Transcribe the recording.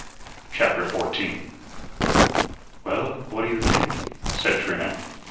CHAPTER 14 "Well, what do you think?" said Trina.